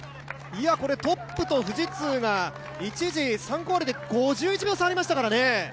トップと富士通が一時、３区終わりで５１秒差ありましたからね。